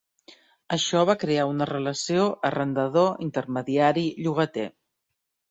Això va crear una relació arrendador intermediari - llogater.